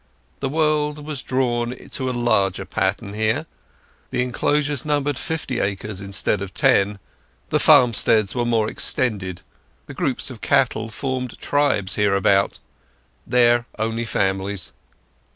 The world was drawn to a larger pattern here. The enclosures numbered fifty acres instead of ten, the farmsteads were more extended, the groups of cattle formed tribes hereabout; there only families.